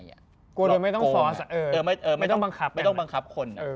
กลัวโดยไม่ต้องฟอสไม่ต้องบังคับคน